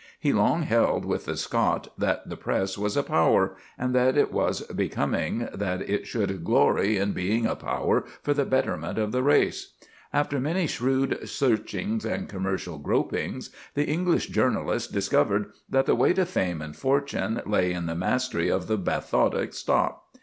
He long held with the Scot that the Press was a power, and that it was becoming that it should glory in being a power for the betterment of the race. After many shrewd searchings and commercial gropings, the English journalist discovered that the way to fame and fortune lay in the mastery of the bathotic stop.